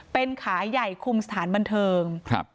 เป็นขายใหญ่คุมสถานบันเทิง